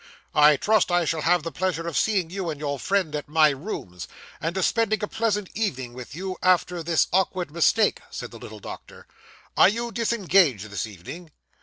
'I trust I shall have the pleasure of seeing you and your friend at my rooms, and of spending a pleasant evening with you, after this awkward mistake,' said the little doctor; 'are you disengaged this evening?